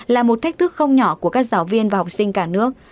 là một thách thức không nhỏ của các giáo viên và học sinh cả nước